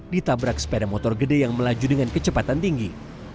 ditabrak sepeda motor gede yang melaju dengan kecepatan tinggi